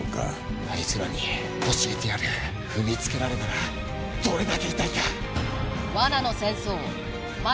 「あいつらに教えてやる」「踏みつけられたらどれだけ痛いか」